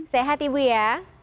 sehat ibu ya